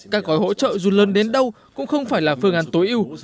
các gói hỗ trợ dù lớn đến đâu cũng không phải là phương án tối ưu